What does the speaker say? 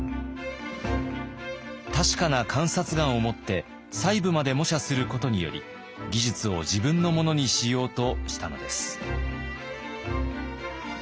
確かな観察眼をもって細部まで模写することにより技術を自分のものにしようとしたのです。